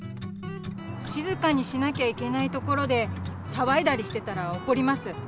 しずかにしなきゃいけないところでさわいだりしてたらおこります。